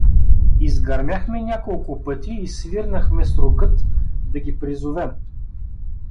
Изгърмяхме няколко пъти и свирнахме с рогът да ги призовем.